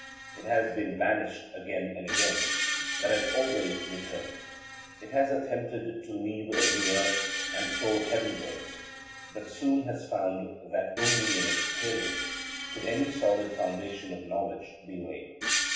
It has been banished again and again, but has always returned. It has attempted to leave the earth and soar heavenwards, but soon has found that only in experience could any solid foundation of knowledge be laid.